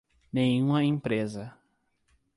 Nenhuma empresa